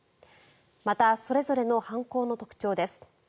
またそれぞれの犯行の特徴です。